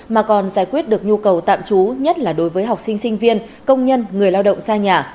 mà còn giải quyết được nhu cầu tạm trú nhất là đối với học sinh sinh viên công nhân người lao động xa nhà